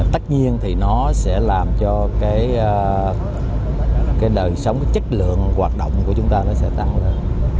tất nhiên thì nó sẽ làm cho cái đời sống cái chất lượng hoạt động của chúng ta nó sẽ tăng lên